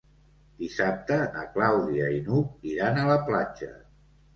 Dissabte na Clàudia i n'Hug iran a la platja.